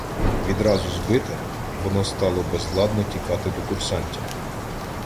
Відразу збите, воно стало безладно тікати до курсантів.